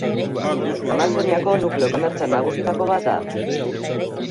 Amazoniako nukleo komertzial nagusietako bat da.